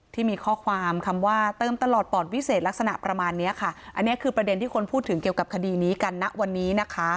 ที่มีข้อความคำว่าเติมตลอดปอดวิเศษลักษณะประมาณเนี้ยค่ะอันนี้คือประเด็นที่คนพูดถึงเกี่ยวกับคดีนี้กันนะวันนี้นะคะ